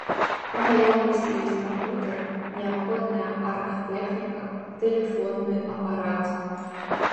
У наяўнасці ёсць кампутар, неабходная аргтэхніка, тэлефонны апарат.